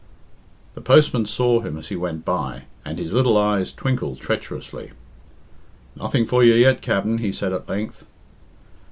The postman saw him as he went by, and his little eyes twinkled treacherously. "Nothing for you yet, Capt'n," he said at length.